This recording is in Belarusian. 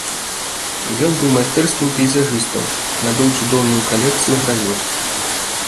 Ён быў майстэрскім пейзажыстаў, набыў цудоўную калекцыю гравюр.